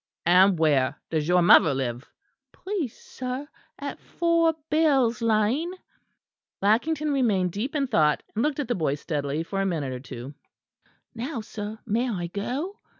"And where does your mother live?" "Please, sir, at 4 Bell's Lane." Lackington remained deep in thought, and looked at the boy steadily for a minute or two. "Now, sir; may I go?"